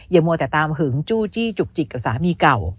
มัวแต่ตามหึงจู้จี้จุกจิกกับสามีเก่า